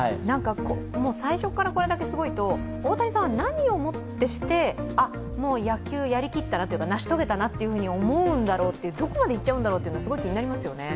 最初からこれだけすごいと、大谷さんは何をもってしてあ、もう野球やりきったな、成し遂げたなと思うんだろうどこまでいっちゃうんだろうって、すごく気になりますよね。